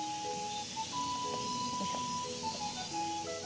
よいしょ。